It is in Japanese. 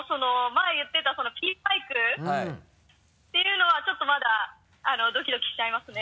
前言ってたピンマイクっていうのはちょっとまだドキドキしちゃいますね。